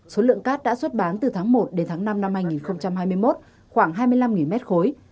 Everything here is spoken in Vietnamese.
số lượng cát đã xuất bán từ tháng một đến tháng năm năm hai nghìn hai mươi một khoảng hai mươi năm mét khối